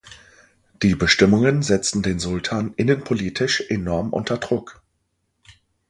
Die Bestimmungen setzten den Sultan innenpolitisch enorm unter Druck.